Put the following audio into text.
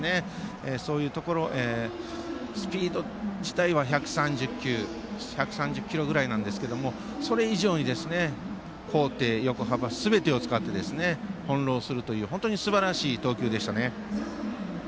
そういうところスピード自体は１３０キロぐらいなんですけれどもそれ以上に、高低横幅すべてを使って翻弄するというすばらしい投球でしたね。